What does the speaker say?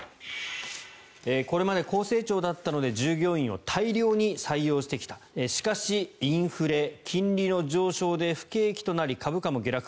これまで高成長だったので従業員を大量に採用してきたしかし、インフレ、金利の上昇で不景気となり株価も下落。